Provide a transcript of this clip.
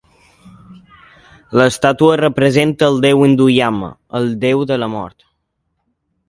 L'estàtua representa el déu hindú Yama, el déu de la mort.